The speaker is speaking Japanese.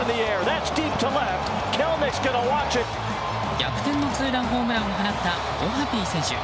逆転のツーランホームランを放ったオハピー選手。